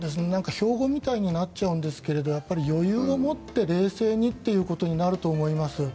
標語みたいになっちゃうんですけど余裕を持って冷静にということになると思います。